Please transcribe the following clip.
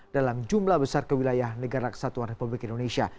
dalam jumlah besar ke wilayah negara kesatuan republik indonesia